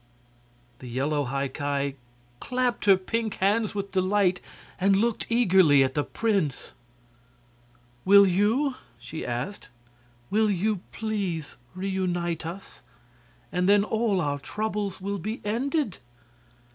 The yellow High Ki clapped her pink hands with delight and looked eagerly at the prince. "Will you?" she asked. "Will you please reunite us? And then all our troubles will be ended!"